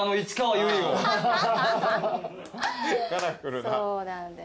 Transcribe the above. そうなんです。